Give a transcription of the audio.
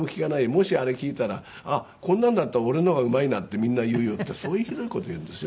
もしあれ聴いたらあっこんなんだったら俺の方がうまいなってみんな言うよ」ってそういうひどい事言うんですよ